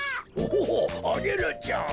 おアゲルちゃん。